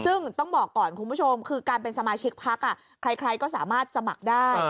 ซึ่งต้องบอกก่อนคุณผู้ชมคือการเป็นสมาชิกพักใครก็สามารถสมัครได้